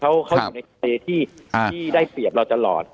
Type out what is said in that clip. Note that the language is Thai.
เค้าอยู่ในทำเลที่ได้เสียบเราตลอด